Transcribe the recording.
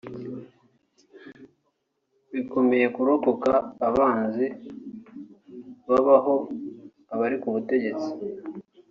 bikomeye kurokoka abanzi b’ababo abari ku butegetsi